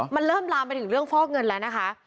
มันเริ่มลามไปถึงเรื่องฟอกเงินแล้วนะคะ